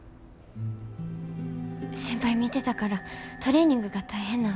先輩見てたからトレーニングが大変なんは分かってます。